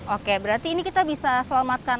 oke berarti ini kita bisa selamatkan